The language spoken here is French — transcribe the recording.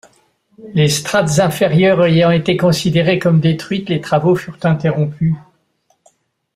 Les strates inférieures ayant été considérées comme détruites les travaux furent interrompus.